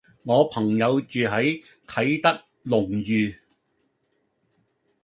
我朋友住喺啟德龍譽